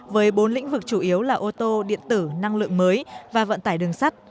với bốn lĩnh vực chủ yếu là ô tô điện tử năng lượng mới và vận tải đường sắt